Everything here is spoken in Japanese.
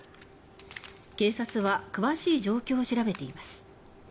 警察は詳しい状況を調べています。